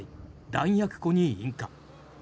弾薬庫に引火。